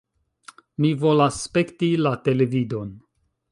Mi volas spekti la televidon!